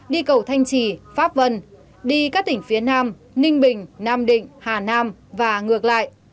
đi cầu thanh trì pháp vân đi các tỉnh phía nam ninh bình nam định hà nam và ngược lại